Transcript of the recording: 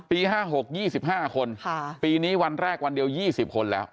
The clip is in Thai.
ปี๕๖๒๕คนปีนี้วันแรกวันเดียว๒๐คนแล้ว